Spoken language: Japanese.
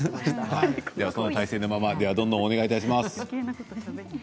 その体勢のままお願いします。